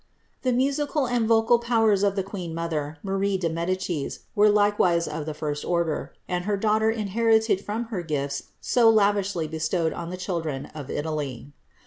' The musical and vocal powers of the queen i&otber, Marie de Medicis, were likewise of the first order, and her (laughter inherited from her gifts so lavishly bestowed on the children of Italy.